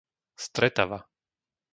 Stretava